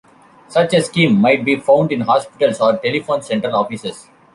Such a scheme might be found in hospitals or telephone central offices.